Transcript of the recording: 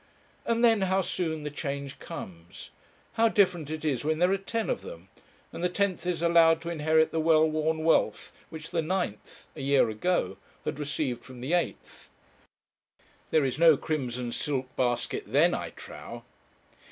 And then how soon the change comes; how different it is when there are ten of them, and the tenth is allowed to inherit the well worn wealth which the ninth, a year ago, had received from the eighth. There is no crimson silk basket then, I trow.